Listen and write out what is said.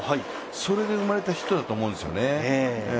それで生まれたヒットだと思うんです。